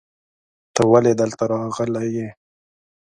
ته ولې دلته راغلی یې؟